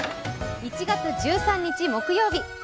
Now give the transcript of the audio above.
１月１３日木曜日。